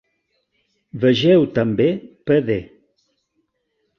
Vegeu també Pd.